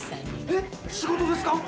えっ仕事ですか！？